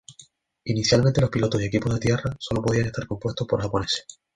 Inicialmente los pilotos y equipos de tierra solo podían estar compuestos por japoneses.